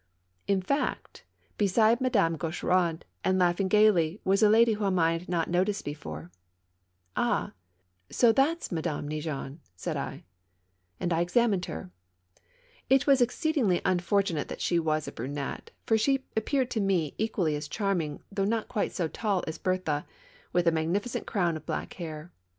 In fact, beside Madame Gaucheraud, and laughing gayly, was a lady whom I had not before noticed. "Ah! so that's Madame Neigeon, so that's Madame Neigeon I " said I. And I examined her. It was exceedingly unfortunate that she was a brunette, for she appeared to me equally as charming, though not quite so tall as Berthe, with a magnificent crown of black hair.